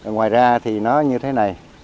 ngoài ra thì nó như thế này